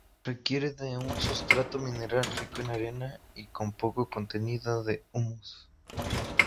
Requiere de un sustrato mineral, rico en arena y con poco contenido de humus.